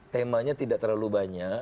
temanya tidak terlalu banyak